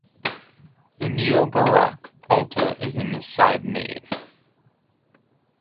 The Neo-baroque altar is in the side nave.